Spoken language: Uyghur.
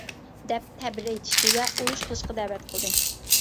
دەپ تەبىر ئېيتىشتى ۋە ئۇرۇش قىلىشقا دەۋەت قىلدى.